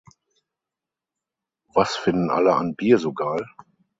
Was finden alle an Bier so geil?